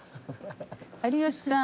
有吉さん